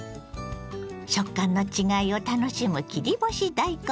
食感の違いを楽しむ切り干し大根。